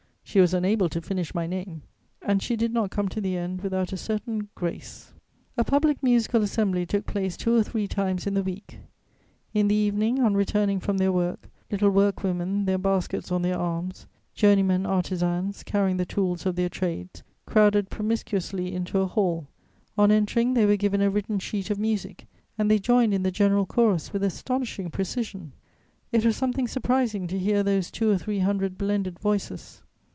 She was unable to finish my name, and she did not come to the end without a certain grace. A public musical assembly took place two or three times in the week. In the evening, on returning from their work, little work women, their baskets on their arms, journeymen artisans, carrying the tools of their trades, crowded promiscuously into a hall; on entering, they were given a written sheet of music and they joined in the general chorus with astonishing precision. It was something surprising to hear those two or three hundred blended voices.